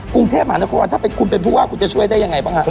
กรุงเทพมหานครถ้าคุณเป็นผู้ว่าคุณจะช่วยได้ยังไงบ้างฮะ